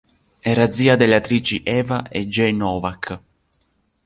Era zia delle attrici Eva e Jane Novak.